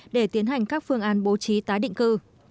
để tiến hành các phương án bố trí tái định cư